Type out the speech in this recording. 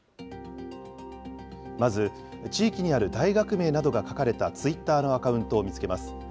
まず地域にある大学名などが書かれたツイッターのアカウントを見つけます。